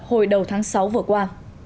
hồi đầu tháng sáu vừa qua